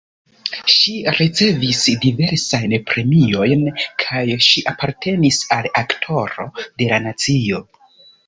Ŝi ricevis diversajn premiojn kaj ŝi apartenis al Aktoro de la nacio.